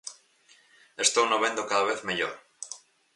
Estouno vendo cada vez mellor.